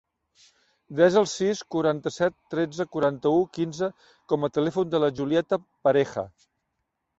Desa el sis, quaranta-set, tretze, quaranta-u, quinze com a telèfon de la Julieta Pareja.